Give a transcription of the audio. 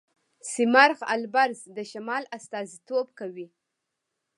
سیمرغ البرز د شمال استازیتوب کوي.